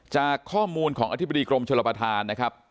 จากข้อมูลของอธิบดีกรมโชลประธาน